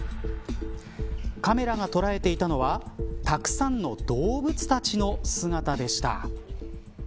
カメラが捉えていたのはたくさんの動物たちの姿でした。